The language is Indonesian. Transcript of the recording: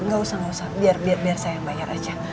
gak usah biar saya yang bayar aja